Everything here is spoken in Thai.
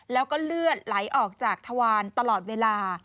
แล้วก็เลือดไหลออกจากทวารตลอดเวลา